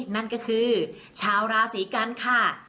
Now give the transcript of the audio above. นั่นก็คือชาวราศีกันค่ะ